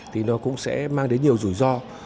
thì nó cũng sẽ mang đến nhiều rủi ro